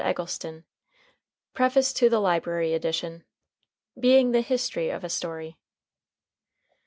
THE AUTHOR. PREFACE TO THE LIBRARY EDITION. BEING THE HISTORY OF A STORY.